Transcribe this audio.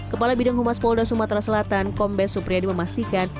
kepala bidang humas polda sumatera selatan kombes supriyadi memastikan